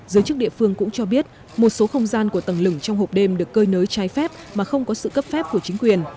giới chức địa phương cũng cho biết một số không gian của tầng lừng trong hộp đêm được cơi nới trái phép mà không có sự cấp phép của chính quyền